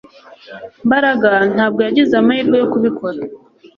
Mbaraga ntabwo yagize amahirwe yo kubikora